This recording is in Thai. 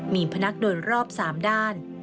มีพนักโดยรอบ๓ด้าน